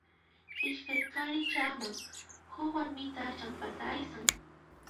Iskay qhari chaqman, huk warmitaq ch'ampata aysan.